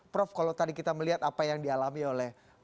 prof kalau tadi kita melihat apa yang dialami oleh